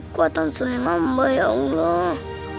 kuatan suling hamba ya allah